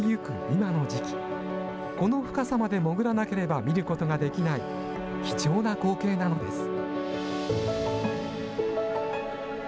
今の時期、この深さまで潜らなければ見ることができない、貴重な光景なのです。